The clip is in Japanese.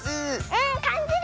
うんかんじる！